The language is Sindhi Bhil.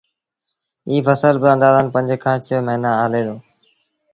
ايٚ ڦسل با آݩدآزن پنج کآݩ ڇه موهيݩآݩ هلي دو